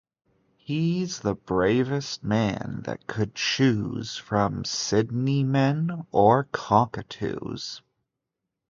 He's the bravest man that could choose from Sydney men or cockatoos.